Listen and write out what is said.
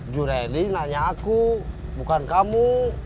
jureli nanya aku bukan kamu